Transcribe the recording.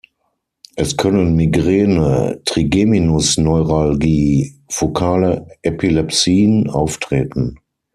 Es können Migräne, Trigeminusneuralgie, fokale Epilepsien auftreten.